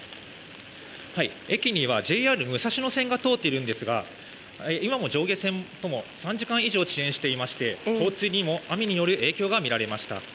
駅にはＪＲ武蔵野線が通っているんですが今も上下線とも、３時間以上遅延していまして交通にも雨による影響が見られました。